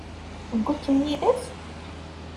Tewwi-kem yid-s?